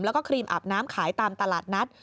แล้วก็ครีมอาบน้ำขายตามตลาดนัด